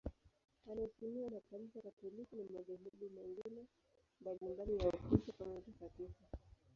Anaheshimiwa na Kanisa Katoliki na madhehebu mengine mbalimbali ya Ukristo kama mtakatifu.